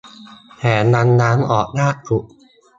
แถมยังล้างออกยากสุด